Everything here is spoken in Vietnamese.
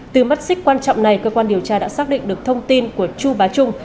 từ mắt xích quan trọng này cơ quan điều tra đã xác định được thông tin của chu bá trung